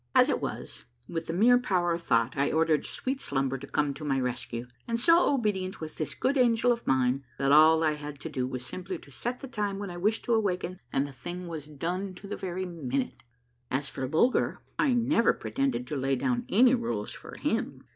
As it was, with the mere power of thought I ordered sweet slumber to come to my rescue, and so obedient was this good angel of mine, that all I had to do was simply to set the time when I wished to awaken, and the thing was done to the very minute. As for Bulger, I never pretended to lay down any rules for him.